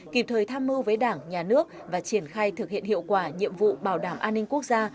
kịp thời tham mưu với đảng nhà nước và triển khai thực hiện hiệu quả nhiệm vụ bảo đảm an ninh quốc gia